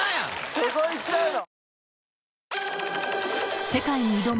そこいっちゃうの？